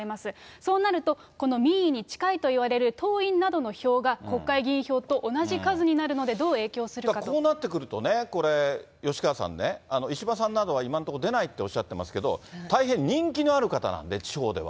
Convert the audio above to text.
そうなると、この民意に近いといわれる党員などの票が国会議員票と同じ数になこうなってくるとね、これ、吉川さんね、石破さんなどは今のところ出ないとおっしゃってますけど、大変人気のある方なんで、地方では。